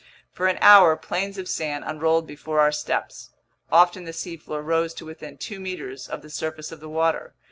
For an hour plains of sand unrolled before our steps. Often the seafloor rose to within two meters of the surface of the water.